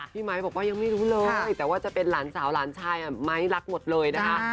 ไมค์บอกว่ายังไม่รู้เลยแต่ว่าจะเป็นหลานสาวหลานชายไม้รักหมดเลยนะคะ